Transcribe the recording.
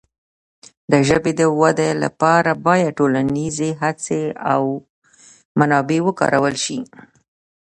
د ژبې د وده لپاره باید ټولنیزې هڅې او منابع وکارول شي.